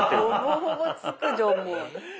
ほぼほぼつくじゃんもう。